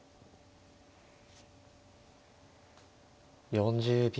４０秒。